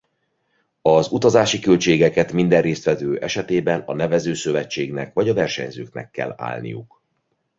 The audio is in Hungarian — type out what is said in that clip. Az utazási költségeket minden résztvevő esetében a nevező szövetségnek vagy a versenyzőknek kell állniuk.